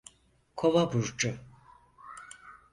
Kova burcu…